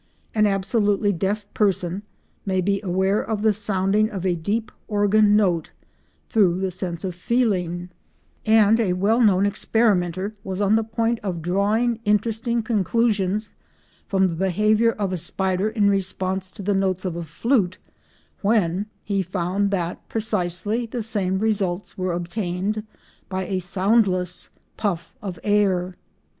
An absolutely deaf person may be aware of the sounding of a deep organ note through the sense of feeling, and a well known experimenter was on the point of drawing interesting conclusions from the behaviour of a spider in response to the notes of a flute, when he found that precisely the same results were obtained by a soundless puff of air.